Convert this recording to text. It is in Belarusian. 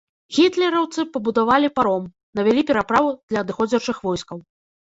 Гітлераўцы пабудавалі паром, навялі пераправу для адыходзячых войскаў.